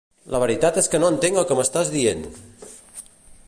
La veritat és que no entenc el que m'estàs dient!